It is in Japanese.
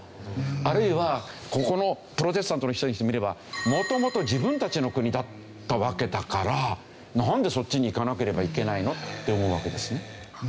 あるいはここのプロテスタントの人にしてみれば元々自分たちの国だったわけだからなんでそっちに行かなければいけないの？って思うわけですね。